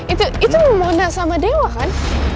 itu mona sama dewa kan